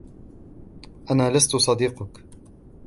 أنا لستُ صديقك.